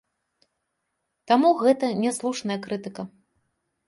Таму гэта няслушная крытыка.